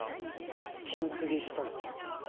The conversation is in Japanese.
金継ぎしたの？